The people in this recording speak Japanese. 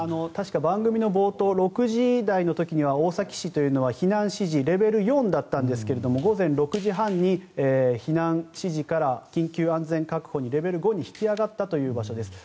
番組の冒頭６時台の時には大崎市というのは避難指示レベル４だったんですが午前６時半に避難指示から緊急安全確保にレベル５に引き上がったということです。